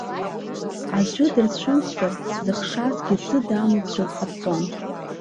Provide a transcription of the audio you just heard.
Аӡәы дырцәымӷзар, дзыхшазгьы ӡы дамыӡәӡәо дҟарҵон.